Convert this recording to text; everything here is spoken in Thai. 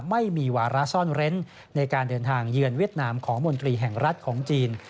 ไม่มีวาระซ่อนเร้นในการเดินทางเยือนเวียดนามของมนตรีแห่งรัฐของจีน